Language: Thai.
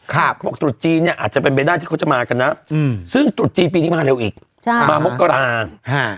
เขาบอกตรุษจีนเนี่ยอาจจะเป็นไปได้ที่เขาจะมากันนะอืมซึ่งตรุษจีนปีนี้มาเร็วอีกใช่มามกราฮะ